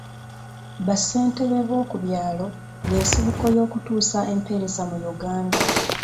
Ba ssentebe b'okubyalo y'ensibuko y'okutuusa empeereza mu Uganda .